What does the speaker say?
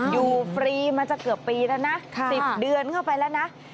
ฟรีมาจะเกือบปีแล้วนะ๑๐เดือนเข้าไปแล้วนะ